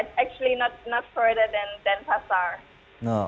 kita tidak pergi lebih jauh dari kianyar atau sebenarnya tidak lebih jauh dari pasar